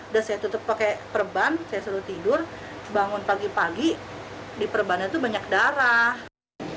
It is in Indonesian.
udah saya tutup pakai perban saya suruh tidur bangun pagi pagi di perbanan itu banyak darah